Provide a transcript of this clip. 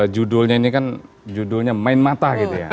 judulnya ini kan judulnya main mata gitu ya